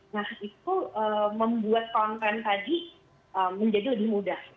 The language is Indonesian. nah itu membuat konten tadi menjadi lebih mudah